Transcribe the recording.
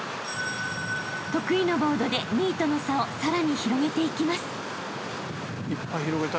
［得意のボードで２位との差をさらに広げていきます］